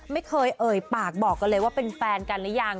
ไม่เคยเอ่ยปากบอกกันเลยว่าเป็นแฟนกันหรือยัง